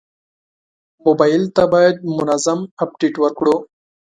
موبایل ته باید منظم اپډیټ ورکړو.